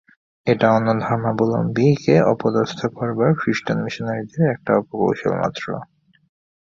এটা অন্য ধর্মাবলম্বীকে অপদস্থ করবার খ্রীষ্টান মিশনরীদের একটা অপকৌশলমাত্র।